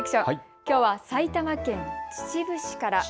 きょうは埼玉県秩父市から。